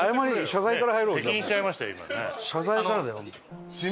謝罪からだよ。